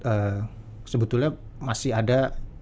membuat sebetulnya masih ada